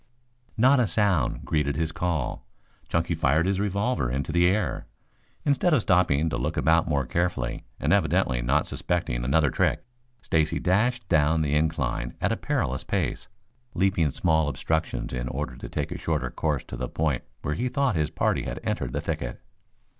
Not a sound greeted his call. Chunky fired his revolver into the air. Instead of stopping to look about more carefully, and evidently not suspecting another trick, Stacy dashed down the incline at a perilous pace, leaping small obstructions in order to take a shorter course to the point where he thought his party had entered the thicket.